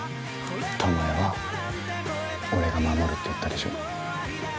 巴は俺が守るって言ったでしょ。